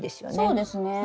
そうですね。